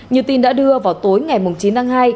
như tin đã đưa vào tối ngày chín tháng hai